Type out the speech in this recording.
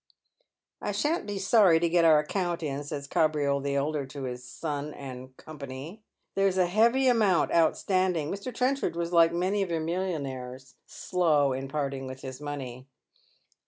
" I shan't be soiTy to get our account in," says Kabriole the elder to his Son and Co. " There's a heavy amount outstanding. Mr. Trenchard was like many of your miUionaires, slow in parting with his money."